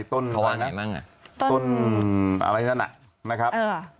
ต้นอะไรนั่นน่ะนะครับ